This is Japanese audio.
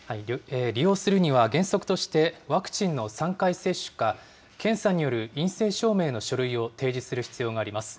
利用するには原則として、ワクチンの３回接種か、検査による陰性証明の書類を提示する必要があります。